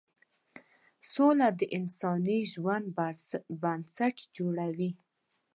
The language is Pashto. سوله د انساني ژوند بنسټ جوړوي.